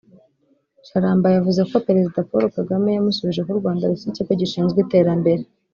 Charamba yavuze ko Perezida Paul Kagame yamusubije ko u Rwanda rufite Ikigo gishinzwe iterambere